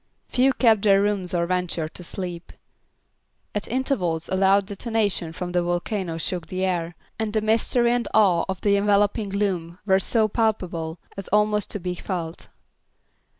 Few kept their rooms or ventured to sleep. At intervals a loud detonation from the volcano shook the air, and the mystery and awe of the enveloping gloom were so palpable as almost to be felt.